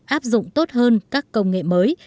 áp dụng tốt hơn các công nghệ mới